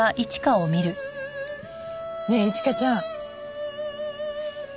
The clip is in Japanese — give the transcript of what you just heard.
ねえ一花ちゃん。